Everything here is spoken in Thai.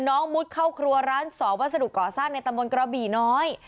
มุดเข้าครัวร้านสอบวัสดุก่อสร้างในตำบลกระบี่น้อย